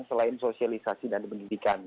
selain sosialisasi dan pendidikan